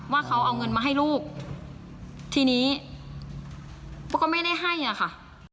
ว่าเขาเอาเงินมาให้ลูกทีนี้ปุ๊กก็ไม่ได้ให้อะค่ะ